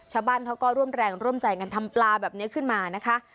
ชาวบ้านเขาก็ร่วมแรงร่วมใจกันทำปลาแบบนี้ขึ้นมานะคะ